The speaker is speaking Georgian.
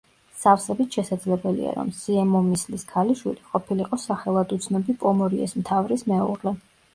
სავსებით შესაძლებელია, რომ სიემომისლის ქალიშვილი ყოფილიყო სახელად უცნობი პომორიეს მთავრის მეუღლე.